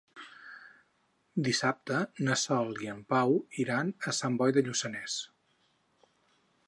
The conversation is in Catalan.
Dissabte na Sol i en Pau iran a Sant Boi de Lluçanès.